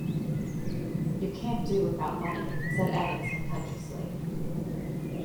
"You can't do without money," said Evan sententiously.